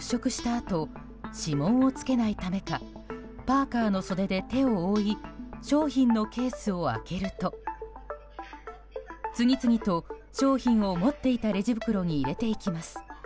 あと指紋をつけないためかパーカの袖で手を覆い商品のケースを開けると次々と商品を持っていたレジ袋に入れていきます。